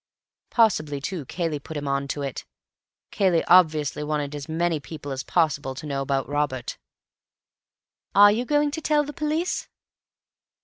Possibly, too, Cayley put him on to it; Cayley obviously wanted as many people as possible to know about Robert." "Are you going to tell the police?"